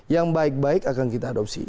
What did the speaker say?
yang baik baik akan kita adopsi